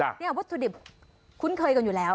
วัตถุดิบคุ้นเคยกันอยู่แล้ว